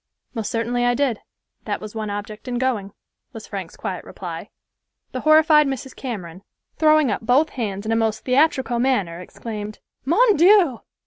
"Most certainly I did. That was one object in going," was Frank's quiet reply. The horrified Mrs. Cameron, throwing up both hands in a most theatrical manner, exclaimed, "Mon Dieu!"